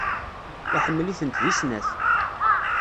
Iḥemmel-itent deg snat.